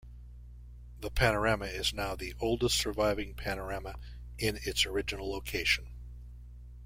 The panorama is now the oldest surviving panorama in its original location.